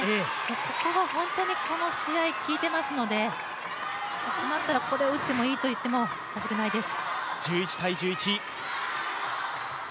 ここが本当にこの試合効いていますので、困ったらこれを打っていいと言ってもいいと思います。